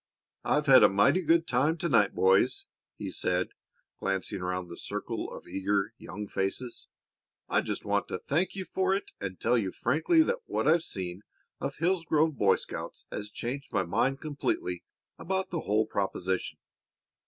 "I've had a mighty good time to night, boys," he said, glancing around the circle of eager, young faces. "I just want to thank you for it and tell you frankly that what I've seen of Hillsgrove Boy Scouts has changed my mind completely about the whole proposition.